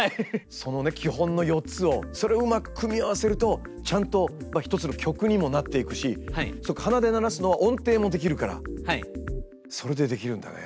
そのね基本の４つをそれをうまく組み合わせるとちゃんと一つの曲にもなっていくし鼻で鳴らすのは音程もできるからそれでできるんだね。